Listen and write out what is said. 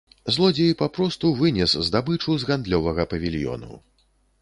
Злодзей папросту вынес здабычу з гандлёвага павільёну.